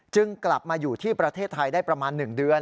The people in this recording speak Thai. กลับมาอยู่ที่ประเทศไทยได้ประมาณ๑เดือน